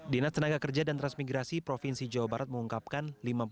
dinas tenaga kerja dan transmigrasi provinsi jawa barat mengungkapkan